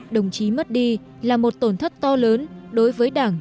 đồng chí mất đi là một tổn thất to lớn đối với đảng